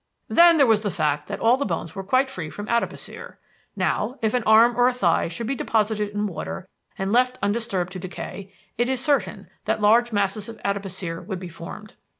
"Then there was the fact that all the bones were quite free from adipocere. Now, if an arm or a thigh should be deposited in water and left undisturbed to decay, it is certain that large masses of adipocere would be formed.